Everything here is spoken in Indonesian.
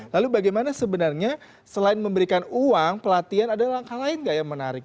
lalu bagaimana sebenarnya selain memberikan uang pelatihan ada langkah lain nggak yang menarik